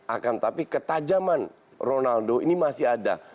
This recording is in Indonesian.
akan tetapi ketajaman ronaldo ini masih ada